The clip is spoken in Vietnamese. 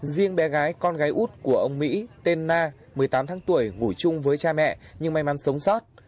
riêng bé gái con gái út của ông mỹ tên na một mươi tám tháng tuổi ngủ chung với cha mẹ nhưng may mắn sống sót